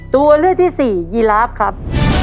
ตัวเลือกที่สี่ยีลาฟครับ